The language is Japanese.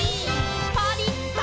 「パリッ！」